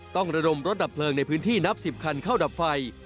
ระดมรถดับเพลิงในพื้นที่นับ๑๐คันเข้าดับไฟ